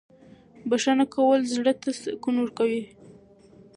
بښنه کول زړه ته سکون ورکوي.